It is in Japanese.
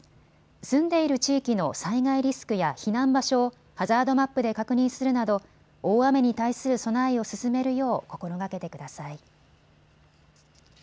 住んでいる地域の災害リスクや避難場所をハザードマップで確認するなど大雨に対する備えを進めるよう心がけてください。